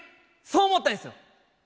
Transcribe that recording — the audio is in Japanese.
そう思ったんですよ。